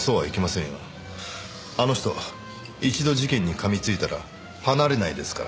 あの人一度事件に噛みついたら離れないですから。